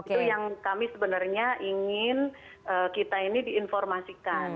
itu yang kami sebenarnya ingin kita ini diinformasikan